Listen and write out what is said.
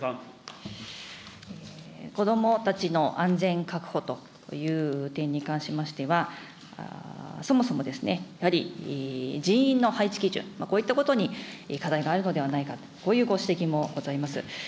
子どもたちの安全確保という点に関しましては、そもそも、やはり人員の配置基準、こういったことに課題があるのではないか、こういうご指摘もございます。